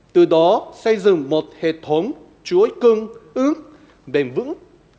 từ đó xây dựng một hệ thống chuối cưng ứng bền vững